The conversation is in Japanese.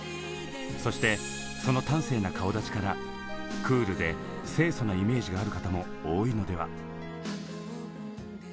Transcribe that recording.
そしてその端正な顔立ちからクールで清楚なイメージがある方も多いのでは？